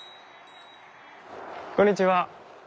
こんにちは。